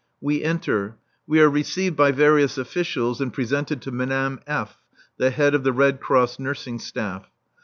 We enter. We are received by various officials and presented to Madame F., the head of the Red Cross nursing staff.